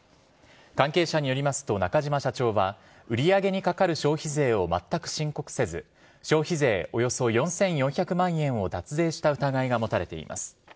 関係者によりますと、中嶋社長は売り上げにかかる消費税を全く申告せず、消費税およそ４４００万円を脱税した疑いが持たれています。